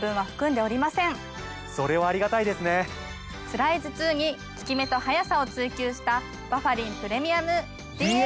つらい頭痛に効き目と速さを追求したバファリンプレミアム。